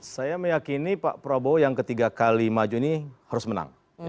saya meyakini pak prabowo yang ketiga kali maju ini harus menang